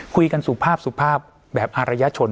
คุยกันสุภาพแบบอารยชน